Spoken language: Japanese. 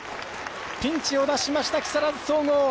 ピンチを脱しました木更津総合。